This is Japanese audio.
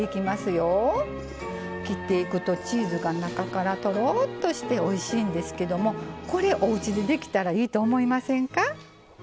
切っていくとチーズが中からとろっとしておいしいんですけどもこれおうちでできたらいいと思いませんか？